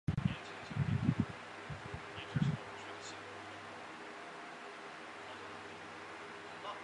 长爪红花锦鸡儿为豆科锦鸡儿属下的一个变种。